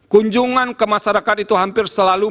kunjungan ke masyarakat itu hampir selalu